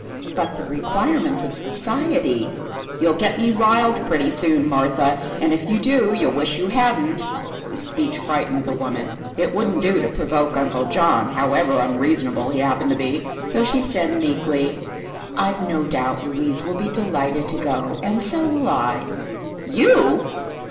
"But the requirements of society " "You'll get me riled, pretty soon, Martha; and if you do you'll wish you hadn't." This speech frightened the woman. It wouldn't do to provoke Uncle John, however unreasonable he happened to be. So she said, meekly: "I've no doubt Louise will be delighted to go, and so will I." "You!"